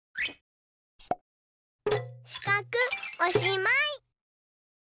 しかくおしまい。